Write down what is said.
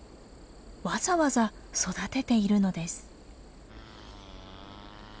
わざわざ育てているのです。